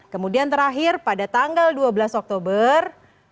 kemudian terakhir pada tanggal dua belas oktober